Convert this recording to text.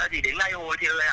chỉ đến ngày hồi thì lễ hội